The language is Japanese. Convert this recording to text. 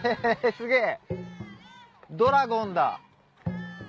すげぇドラゴンだ。